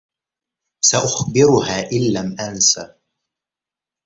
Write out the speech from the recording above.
سأخبرها إن لم أنس.